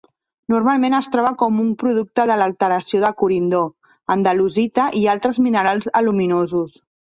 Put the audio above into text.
Normalment es troba com un producte de l'alteració de corindó, andalusita i altres minerals aluminosos.